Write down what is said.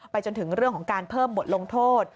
จนถึงเรื่องของการเพิ่มบทลงโทษ